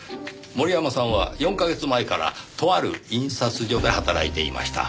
森山さんは４カ月前からとある印刷所で働いていました。